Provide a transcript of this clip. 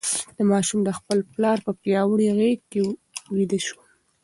ماشوم د خپل پلار په پیاوړې غېږ کې ویده شو.